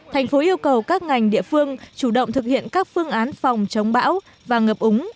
thành phố yêu cầu các ngành địa phương chủ động thực hiện các phương án phòng chống bão và ngập úng